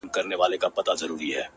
گراني فريادي دي بـېــگـــاه وويل ـ